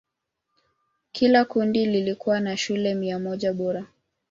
Kila kundi likiwa na shule mia moja bora.